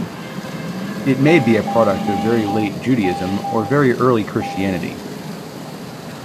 It may be a product of very late Judaism or very early Christianity.